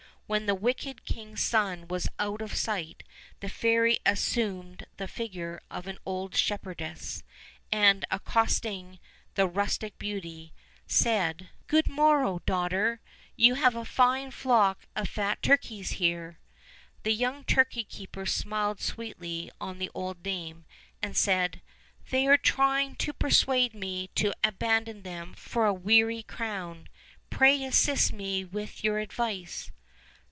When the wicked king's son was out of sight the fairy assumed the figure of an old shepherdess, and, accosting the rustic beauty, said: 234 OLD, OLD FAIRY TALES. "Good morrow, daughter; you have a fine flock of fat turkeys here." The young turkey keeper smiled sweetly on the old dame, and said: "They are trying to persuade me to abandon them for a weary crown ; pray assist me with your advice."